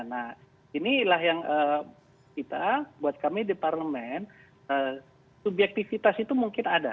nah inilah yang kita buat kami di parlemen subjektivitas itu mungkin ada